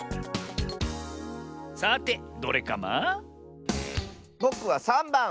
さてどれカマ？ぼくは３ばん！